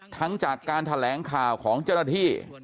ทั้งจากการแถลงข่าวของเจ้าหน้าที่